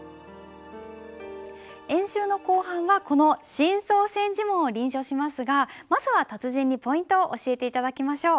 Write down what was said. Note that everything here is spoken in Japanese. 演習の後半はこの「真草千字文」を臨書しますがまずは達人にポイントを教えて頂きましょう。